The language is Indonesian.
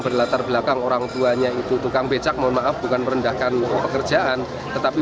berlatar belakang orang tuanya itu tukang becak mohon maaf bukan merendahkan pekerjaan tetapi